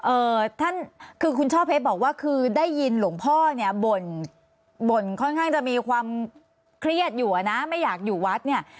เอ่อท่านคือคุณช่อเพชรบอกว่าคือได้ยินหลวงพ่อเนี่ยบ่นบ่นค่อนข้างจะมีความเครียดอยู่อ่ะนะไม่อยากอยู่วัดเนี่ย